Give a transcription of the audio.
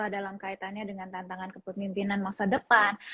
dalam kaitannya dengan tantangan kepemimpinan masa depan